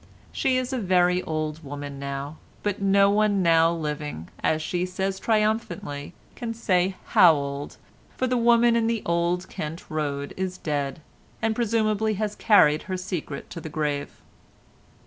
She is a very old woman now, but no one now living, as she says triumphantly, can say how old, for the woman in the Old Kent Road is dead, and presumably has carried her secret to the grave.